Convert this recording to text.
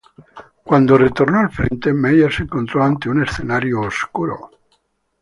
Cuando retornó al frente, Meyer se encontró ante un escenario oscuro.